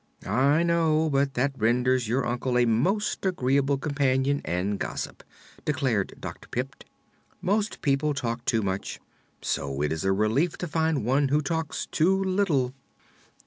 "I know; but that renders your uncle a most agreeable companion and gossip," declared Dr. Pipt. "Most people talk too much, so it is a relief to find one who talks too little."